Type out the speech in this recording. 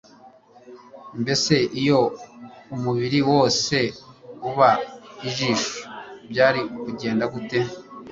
mbese iyo umubiri wose uba ijisho byari kugenda gute